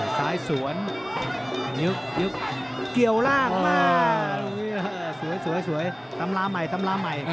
ซ้ายสวนยุบเกี่ยวรากมากสวยตำราใหม่